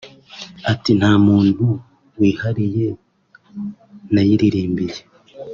Ati “ Nta muntu wihariye nayiririmbiye